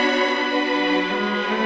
dan kita harus menjaga rena